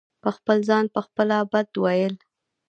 په خپل ځان په خپله بد وئيل